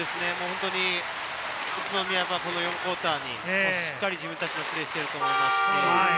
本当に宇都宮は第４クオーターにしっかり自分たちでプレーをしていると思います。